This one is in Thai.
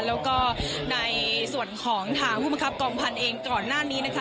แล้วก็ในส่วนของทางผู้บังคับกองพันธุ์เองก่อนหน้านี้นะคะ